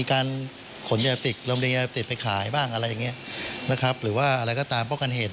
ต่างนะครับนะครับเป็นตามปกติของที่ตำรวจก็ทำกัน